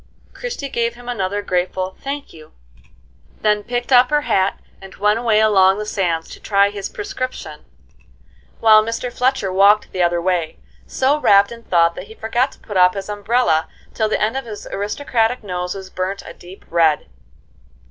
Christie gave him another grateful "Thank you," then picked up her hat and went away along the sands to try his prescription; while Mr. Fletcher walked the other way, so rapt in thought that he forgot to put up his umbrella till the end of his aristocratic nose was burnt a deep red.